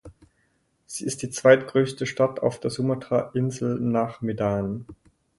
Sie ist die zweitgrößte Stadt auf der Sumatra-Insel nach Medan.